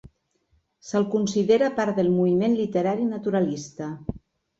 Se'l considera part del moviment literari naturalista.